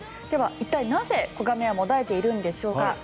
では、一体なぜ子亀はもだえているんでしょうか。